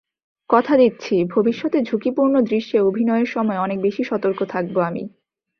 কথা দিচ্ছি, ভবিষ্যতে ঝুঁকিপূর্ণ দৃশ্যে অভিনয়ের সময় অনেক বেশি সতর্ক থাকব আমি।